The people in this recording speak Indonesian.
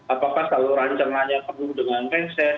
apakah kalau rancangannya penuh dengan keseh